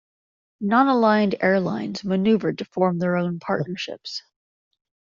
Non-aligned airlines maneuvered to form their own partnerships.